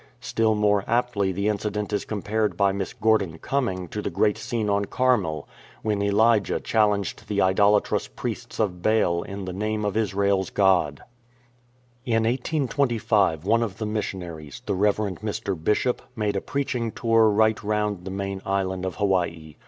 Still more aptly the incident is compared by Miss Gordon Gumming to the great scene on Carmel, when Elijah challenged the idolatrous priests of Baal in the name of Israel's God. In 1825 one of the missionaries, the Rev. Mr. Bishop, made a preaching tour right round the main island of Hawaii.